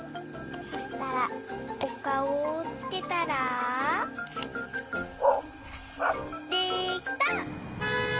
そしたらおかおをつけたらできた！